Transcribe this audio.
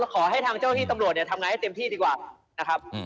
ขอให้ทางเจ้าที่ตำรวจเนี่ยทำงานให้เต็มที่ดีกว่านะครับ